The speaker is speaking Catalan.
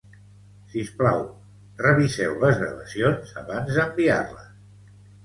Sisplau, reviseu les gravacions abans d'enviar-les